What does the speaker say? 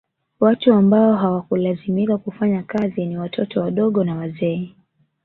Watu ambao hawakulazimika kufanya kazi ni watoto wadogo na wazee